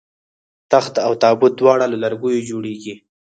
تخت او تابوت دواړه له لرګیو جوړیږي